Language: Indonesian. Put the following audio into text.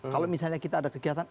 kalau misalnya kita ada kegiatan